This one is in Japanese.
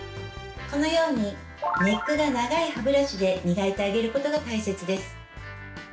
このようにネックが長い歯ブラシで磨いてあげることが大切です。